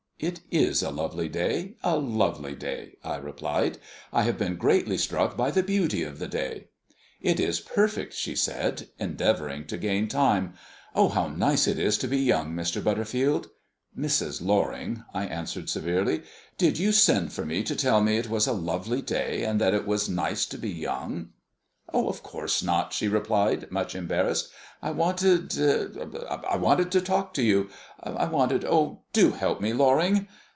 "It is a lovely day; a lovely day," I replied. "I have been greatly struck by the beauty of the day." "It is perfect," she said, endeavouring to gain time. "Oh, how nice it is to be young, Mr. Butterfield!" "Mrs. Loring," I answered severely, "did you send for me to tell me it was a lovely day, and that it was nice to be young?" "Of course not," she replied, much embarrassed. "I wanted I wanted to talk to you. I wanted oh, do help me, Loring."